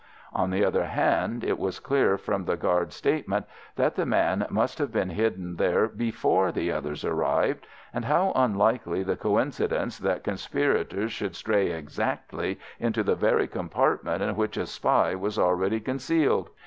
On the other hand, it was clear, from the guard's statement, that the man must have been hidden there before the others arrived, and how unlikely the coincidence that conspirators should stray exactly into the very compartment in which a spy was already concealed!